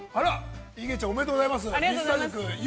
◆イゲちゃん、おめでとうございます。